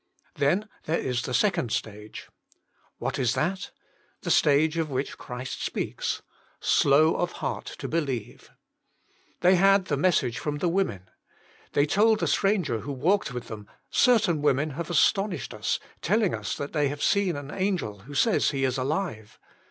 Then there is the second stage. What is that? The stage of which Christ speaks: " Slow Of beatt to believe/' They had the message from the women. They told the stranger who walked with t]}em :Certain women have astonished us, telling us they have seen an angel, who says He is alive.